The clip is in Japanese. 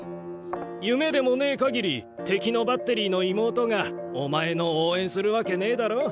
夢でもねぇ限り敵のバッテリーの妹がお前の応援するわけねぇだろ。